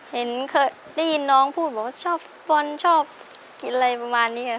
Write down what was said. เคยได้ยินน้องพูดบอกว่าชอบบอลชอบกินอะไรประมาณนี้ค่ะ